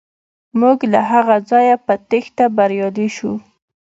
موږ له هغه ځایه په تیښته بریالي شو.